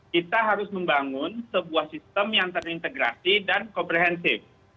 kita harus membangun sebuah sistem yang terintegrasi dan komprehensif